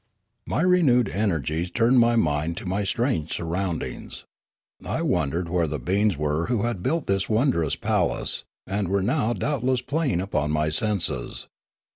My renewed energies turned my mind to my strange surroundings. I wondered where the beings were who had built this wondrous palace, and were now doubt less playing upon my senses.